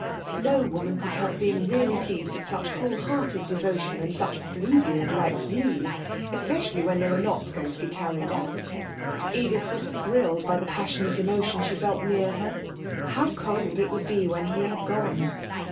No woman could help being really pleased at such whole hearted devotion and such Bluebeard like views especially when they were not going to be carried out. Edith was thrilled by the passionate emotion she felt near her. How cold it would be when he had gone!